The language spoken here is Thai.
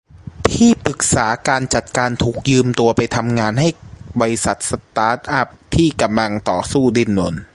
ที่ปรึกษาการจัดการถูกยืมตัวไปทำงานให้บริษัทสตาร์ตอัพที่กำลังต่อสู้ดิ้นรน